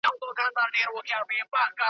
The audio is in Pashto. ګیله له خپلو کېږي .